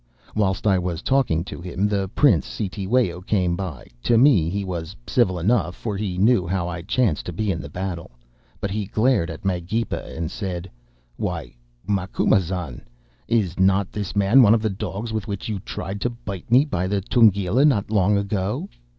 Whilst I was talking to him the Prince Cetewayo came by; to me he was civil enough, for he knew how I chanced to be in the battle, but he glared at Magepa, and said: "'Why, Macumazahn, is not this man one of the dogs with which you tried to bite me by the Tugela not long ago?